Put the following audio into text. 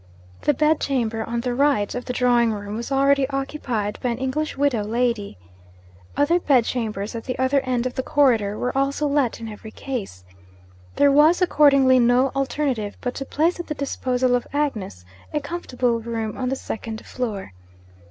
The bed chamber on the right of the drawing room was already occupied by an English widow lady. Other bedchambers at the other end of the corridor were also let in every case. There was accordingly no alternative but to place at the disposal of Agnes a comfortable room on the second floor.